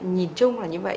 nhìn chung là như vậy